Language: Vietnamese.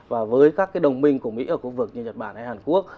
và với các đồng minh của mỹ ở khu vực như nhật bản hay hàn quốc